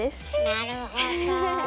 なるほど。